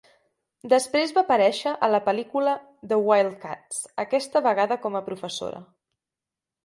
Després va aparèixer a la pel·lícula "The Wildcats", aquesta vegada com a professora.